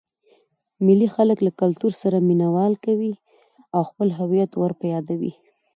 مېلې خلک له کلتور سره مینه وال کوي او خپل هويت ور په يادوي.